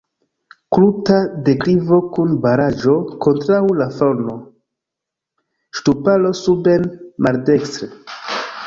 Kruta deklivo kun baraĵo kontraŭ la fono; ŝtuparo suben maldekstre.